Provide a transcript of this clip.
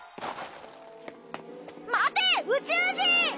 待て宇宙人！